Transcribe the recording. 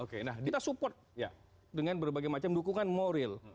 kita support dengan berbagai macam dukungan moral